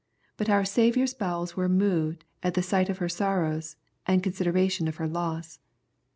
But our Saviour's bowels were moved at the sight of her sorrows, and consideration of her loss.